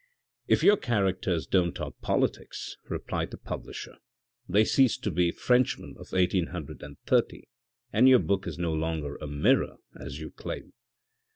" If your characters don't talk politics," replied the publisher, " they cease to be Frenchmen of 1830, and your book is no longer a mirror as you claim